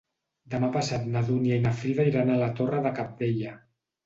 Demà passat na Dúnia i na Frida iran a la Torre de Cabdella.